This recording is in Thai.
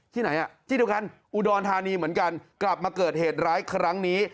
ไหนอ่ะที่เดียวกันอุดรธานีเหมือนกันกลับมาเกิดเหตุร้ายครั้งนี้